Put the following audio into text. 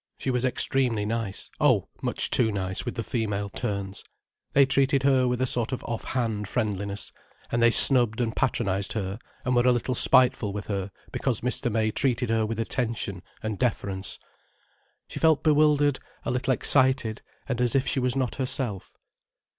She was extremely nice—oh, much too nice with the female turns. They treated her with a sort of off hand friendliness, and they snubbed and patronized her and were a little spiteful with her because Mr. May treated her with attention and deference. She felt bewildered, a little excited, and as if she was not herself.